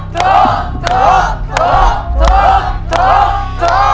ถูก